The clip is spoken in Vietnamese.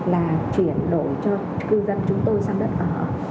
là chuyển đổi cho cư dân chúng tôi sang đất ở